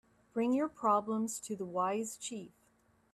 Bring your problems to the wise chief.